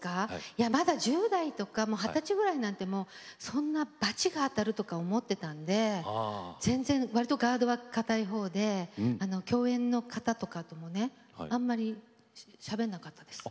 いやまだ１０代とか二十歳ぐらいなんてもうそんなばちが当たるとか思ってたんで全然割とガードはかたいほうで共演の方とかともねあんまりしゃべんなかったです。